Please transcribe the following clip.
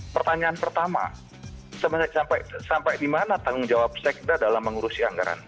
pertanyaan pertama sampai di mana tanggung jawab sekda dalam mengurusi anggaran